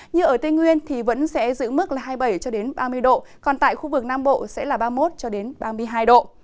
như ở tây nguyên thì vẫn sẽ giữ mức là hai mươi bảy cho đến ba mươi độ còn tại khu vực nam bộ sẽ là ba mươi một ba mươi hai độ